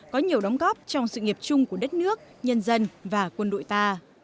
có nhiều đóng góp trong sự nghiệp chung của đất nước nhân dân và quân đội ta